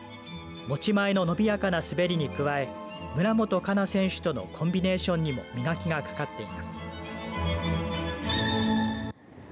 持ち前の伸びやかな滑りに加え村元哉中選手とのコンビネーションにも磨きがかかっています。